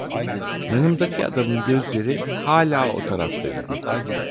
Yanımdaki adamın gözleri hala o tarafta idi.